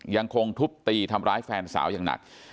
ยังคงทุบตีทำร้ายแฟนสาวอย่างหนัก